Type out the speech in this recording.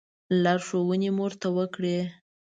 لارښوونې مو ورته وکړې.